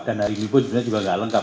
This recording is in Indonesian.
dan hari ini pun juga tidak lengkap